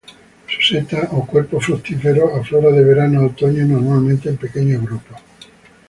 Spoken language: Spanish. Su seta, o cuerpo fructífero, aflora de verano a otoño, normalmente en pequeños grupos.